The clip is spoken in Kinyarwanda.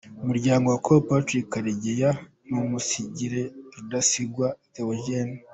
Umuryango wa Col. Patrick Karegeya n’umusigire Rudasingwa Theogene